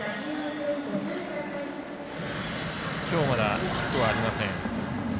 きょうまだヒットはありません。